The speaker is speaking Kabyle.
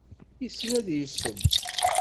Yessen ad yesseww.